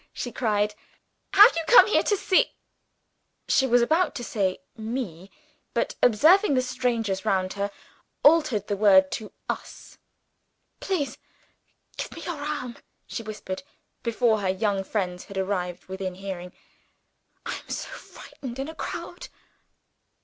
she cried. "Have you come here to see " she was about to say Me, but, observing the strangers round her, altered the word to Us. "Please give me your arm," she whispered, before her young friends had arrived within hearing. "I am so frightened in a crowd!"